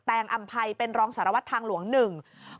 แตงอ่ำไพรเป็นรองศรวัตรทางหลวง๑